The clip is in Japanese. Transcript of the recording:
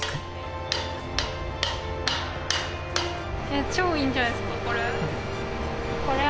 え超いいんじゃないですかこれ。